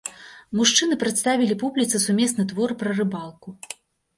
Мужчыны прадставілі публіцы сумесны твор пра рыбалку.